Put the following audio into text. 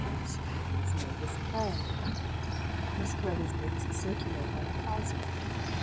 So is ëMavis Clare,í Miss Corelliís books circulate by the thousand.